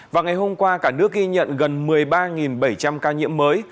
và ngày hôm qua cả nước ghi nhận gần một mươi ba bảy trăm linh ca nhiễm mới